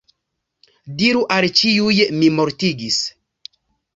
Diru al ĉiuj “mi mortigis”.